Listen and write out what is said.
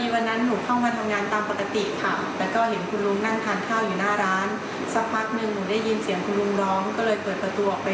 เห็นทุกคนแบบว่าชื่นชมยิ้มดีผมก็ภูมิใจค่ะ